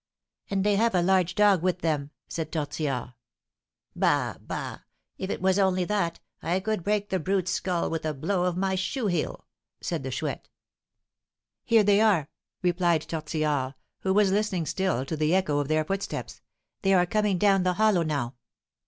"And they have a large dog with them," said Tortillard. "Bah! bah! If it was only that, I could break the brute's skull with a blow of my shoe heel," said the Chouette. "Here they are," replied Tortillard, who was listening still to the echo of their footsteps. "They are coming down the hollow now."